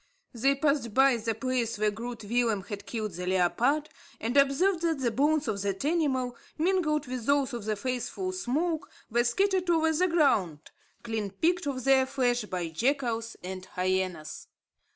They passed by the place where Groot Willem had killed the leopard, and observed that the bones of that animal, mingled with those of the faithful Smoke, were scattered over the ground, clean picked of their flesh by the jackals and hyenas.